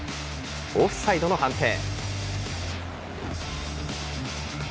オフサイドの判定。